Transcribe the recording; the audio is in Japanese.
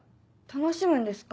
楽しむんですか？